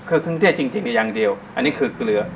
คือเครื่องเทศจริงอย่างเดียวอันนี้คือเกลือ